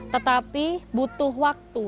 tetapi butuh waktu